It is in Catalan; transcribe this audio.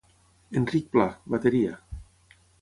Enric Pla: bateria.